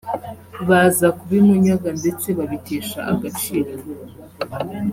baza kubimunyaga ndetse babitesha agaciro